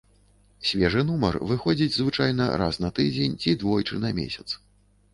Свежы нумар выходзіць звычайна раз на тыдзень ці двойчы на месяц.